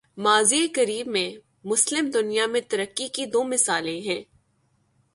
ماضی قریب میں، مسلم دنیا میں ترقی کی دو مثالیں ہیں۔